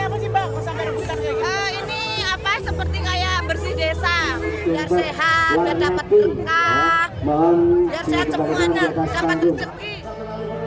ini seperti kayak bersih desa biar sehat biar dapat berkah biar sehat semuanya dapat rezeki